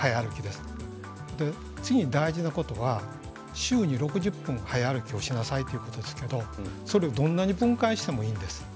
次に大事なことは週に６０分早歩きをしなさいということですがそれは、どんなに小分けにしてもいいんです。